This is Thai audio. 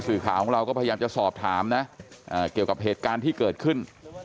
ข่าวของเราก็พยายามจะสอบถามนะเกี่ยวกับเหตุการณ์ที่เกิดขึ้น